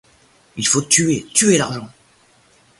Il faut tuer, tuer l'argent!